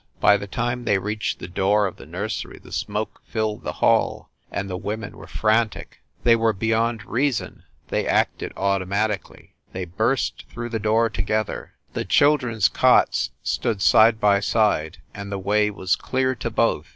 By the time they reached the door of the nursery the smoke filled the hall, and the women were frantic. They were beyond reason; they acted automatically. They burst through the door together. The children s cots stood side by side, and the way was clear to both.